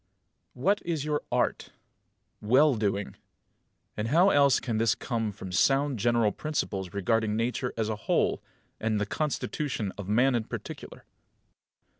5. What is your art? Well doing. And how else can this come than from sound general principles regarding Nature as a whole, and the constitution of man in particular?